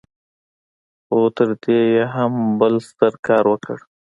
خو تر دې يې هم يو بل ستر کار وکړ.